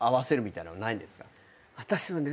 私はね